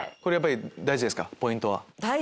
やっぱり大事ですかポイントは。